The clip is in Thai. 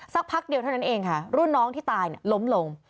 พักเดียวเท่านั้นเองค่ะรุ่นน้องที่ตายล้มลง